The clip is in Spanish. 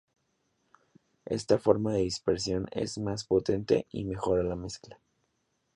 Esta forma de dispersión es más potente y mejora la mezcla.